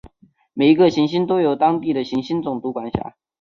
每一个行星都由当地的行星总督管辖。